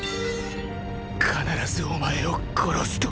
必ずお前を殺すと。